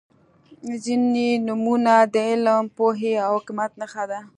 • ځینې نومونه د علم، پوهې او حکمت نښه ده.